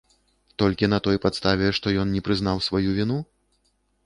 Толькі на той падставе, што ён не прызнаў сваю віну?